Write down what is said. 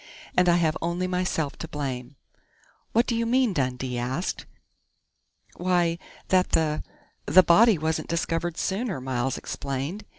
And I have only myself to blame " "What do you mean?" Dundee asked. "Why, that the the body wasn't discovered sooner," Miles explained.